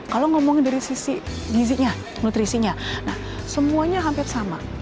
kalau ngomongin dari sisi gizinya nutrisinya semuanya hampir sama